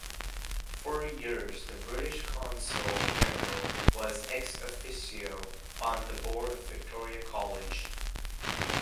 For years the British Consul-General was "ex officio" on the board of Victoria College.